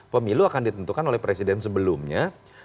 pemilu akan ditentukan oleh presiden sebelumnya